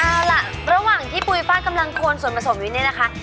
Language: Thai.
เอาล่ะระหว่างที่ปุ๋ยฟาดกำลังโคนส่วนผสมอยู่เนี่ยนะคะ